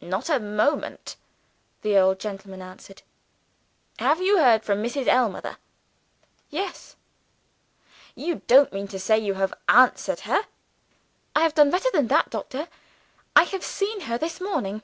"Not a moment," the old gentleman answered. "Have you heard from Mrs. Ellmother?" "Yes." "You don't mean to say you have answered her?" "I have done better than that, doctor I have seen her this morning."